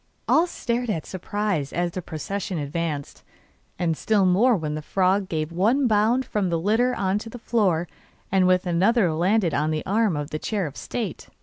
All stared in surprise as the procession advanced, and still more when the frog gave one bound from the litter on to the floor, and with another landed on the arm of the chair of state.